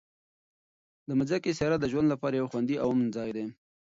د ځمکې سیاره د ژوند لپاره یو خوندي او امن ځای دی.